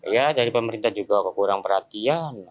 ya dari pemerintah juga kekurang perhatian